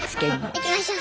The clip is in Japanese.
行きましょう。